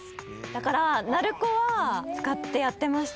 だから鳴子は使ってやってました。